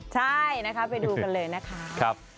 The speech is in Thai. ใช่ไปดูกันเลยนะคะ